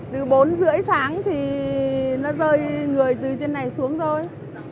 từ bốn h ba mươi sáng thì nó rơi người từ trên này xuống thôi